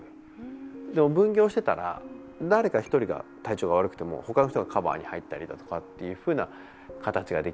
でも、分業してたら誰か１人が体調が悪くても他の人がカバーに入ったりだとかっていうふうな形ができる。